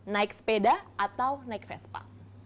naik sepeda atau naik vespa